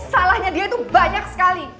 salahnya dia itu banyak sekali